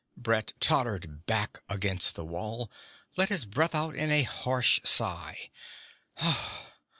Brett tottered back against the wall, let his breath out in a harsh sigh.